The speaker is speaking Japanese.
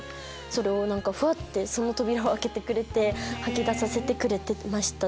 それをふわってその扉を開けてくれて吐き出させてくれてました